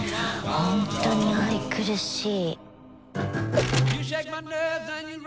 本当に愛くるしい。